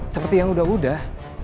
seperti yang udah udah